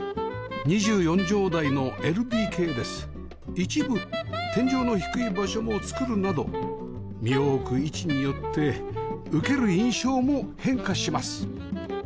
一部天井の低い場所も作るなど身を置く位置によって受ける印象も変化します